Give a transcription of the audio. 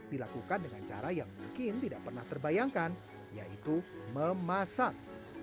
dilakukan dengan cara yang mungkin tidak pernah terbayangkan yaitu memasak